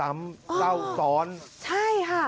พ่อออกมามอบตัวเถอะลูกน่ะร้องห่มร้องไห้คุณผู้ชม